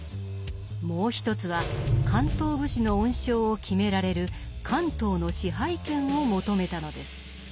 もう一つは関東武士の恩賞を決められる関東の支配権を求めたのです。